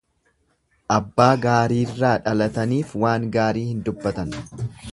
Abbaa gaarirraa dhalataniif waan gaarii hin dubbatan.